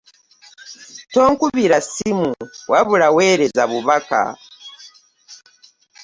Tonkubira ssimu wabula weereza bubaka.